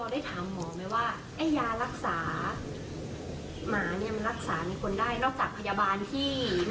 แล้วเราได้ถามหมอไหมว่าไอ้ยารักษาหมานี่มันรักษาในคนได้